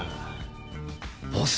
ボス